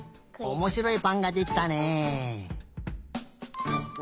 おもしろいぱんができたね。